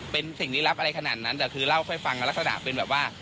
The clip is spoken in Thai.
เป็นสิ่งลี้ลับอะไรขนาดนั้นแต่คือเล่าค่อยฟังลักษณะเป็นแบบว่า